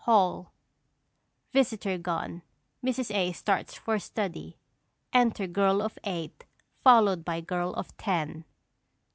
HALL. [_Visitor gone; Mrs. A. starts for study. Enter Girl of Eight followed by Girl of Ten.